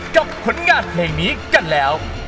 ผลงานเพลงนี้กันแล้ว